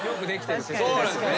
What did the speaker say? そうなんですね。